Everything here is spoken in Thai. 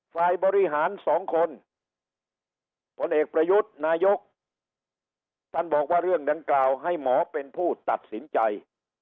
ฝ่ายบริหารสองคนผลเอกประยุทธ์นายกท่านบอกว่าเรื่องดังกล่าวให้หมอเป็นผู้ตัดสินใจ